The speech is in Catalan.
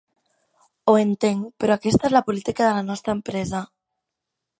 Ho entenc, però aquesta és la política de la nostra empresa.